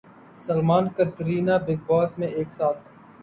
Salman Katrina big باس میں ایک ساتھ